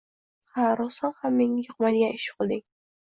“Ha, rostdan ham menga yoqmaydigan ish qilding!